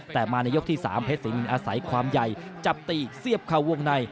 แต่มาในยกที่๓เพชรสินอาศัยความใหญ่จับตีเสียบเข้าวงใน